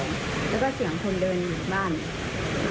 อุ๊ยมันบ้านหลังเนี้ยเนี้ยทำไมแบบ